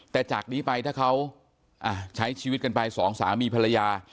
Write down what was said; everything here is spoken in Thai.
แต่จากนี้ไปถ้าเขาใช้ชีวิตกันไปสองสามีภรรยา